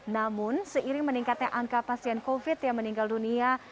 namun seiring meningkatnya angka pasien covid yang meninggal dunia